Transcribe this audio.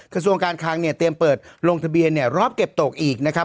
กระทรวงการคลังเนี่ยเตรียมเปิดลงทะเบียนเนี่ยรอบเก็บตกอีกนะครับ